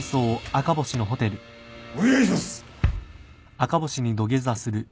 お願いします！